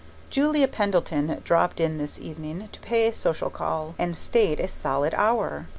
Julia Pendleton dropped in this evening to pay a social call, and stayed a solid hour.